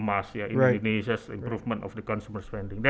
misalnya itu adalah masalah dalam peningkatan penggunaan konsumen di indonesia